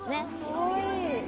かわいい。